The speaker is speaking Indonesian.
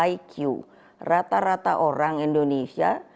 iq rata rata orang indonesia